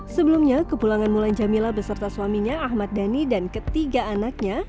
sebelumnya kepulangan mulan jamila beserta suaminya ahmad dhani dan ketiga anaknya